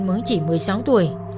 mới chỉ một mươi sáu tuổi